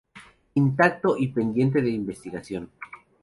Intacto y pendiente de investigación.